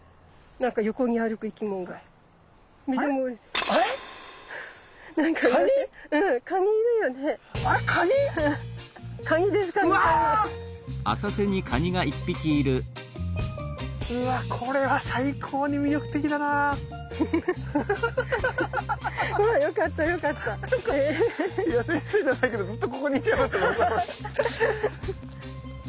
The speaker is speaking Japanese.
なんかいや先生じゃないけどずっとここにいちゃいますもん。